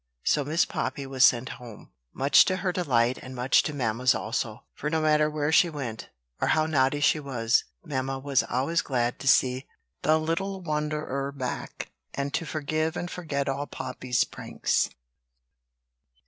So Miss Poppy was sent home, much to her delight and much to mamma's also; for no matter where she went, or how naughty she was, mamma was always glad to see the little wanderer back, and to forgive and forget all Poppy's pranks.